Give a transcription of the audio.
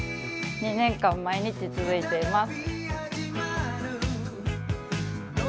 ２年間、毎日続いています。